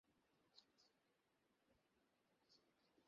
তিনি এ-ও ঘোষণা দেন, আগামী অর্থবছর থেকেই ভ্যাট অনলাইন প্রকল্প বাস্তবায়ন হবে।